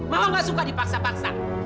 mau gak suka dipaksa paksa